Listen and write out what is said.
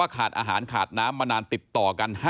ขาดอาหารขาดน้ำมานานติดต่อกัน